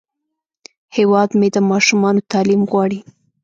هیواد مې د ماشومانو تعلیم غواړي